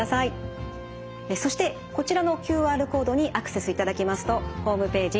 そしてこちらのＱＲコードにアクセスいただきますとホームページ